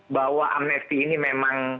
bahwa amnesti ini memang